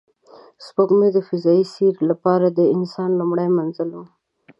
سپوږمۍ د فضایي سیر لپاره د انسان لومړی منزل و